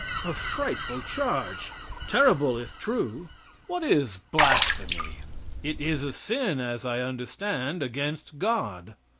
A frightful charge! Terrible, if true! What is blasphemy? It is a sin, as I understand, against God.